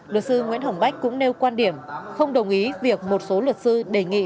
luật sư nguyễn hồng bách cũng nêu quan điểm không đồng ý việc một số luật sư đề nghị